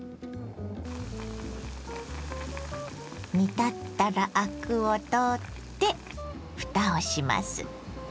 煮立ったらアクを取ってふたをします。